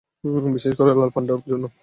বিশেষ করে লাল পান্ডার জন্য।